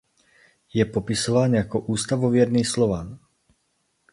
Je popisován jako "ústavověrný Slovan".